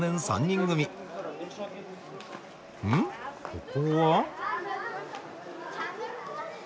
ここは？